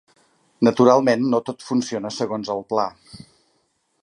Naturalment no tot funciona segons el pla.